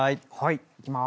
いきまーす。